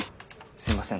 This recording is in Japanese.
すいません